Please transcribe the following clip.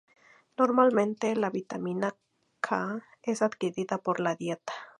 Normalmente, la vitamina K es adquirida por la dieta.